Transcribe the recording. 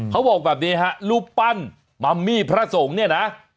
เขาบอกแบบนี้ฮะรูปปั้นมัมมี่พระสงฆ์เนี่ยนะ